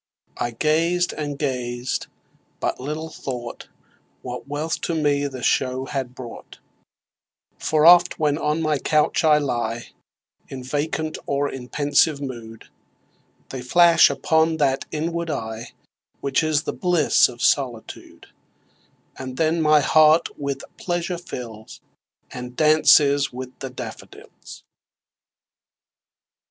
I gazed and gazed but little thought What wealth the show to me had brought; For oft, when on my couch I lie In vacant or in pensive mood, They flash upon that inward eye Which is the bliss of solitude; And then my heart with pleasure fills, And dances with the daffodils.